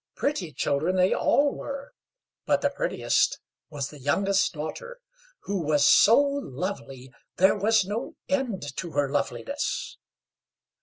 Pretty children they all were, but the prettiest was the youngest daughter, who was so lovely there was no end to her loveliness.